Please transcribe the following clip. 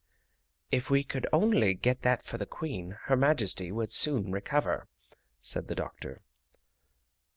"If we could only get that for the Queen, Her Majesty would soon recover," said the doctor.